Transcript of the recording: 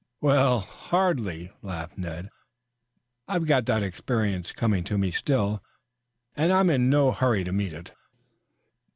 "Well, hardly," laughed Ned. "I've got that experience coming to me still, and I'm in no hurry to meet it."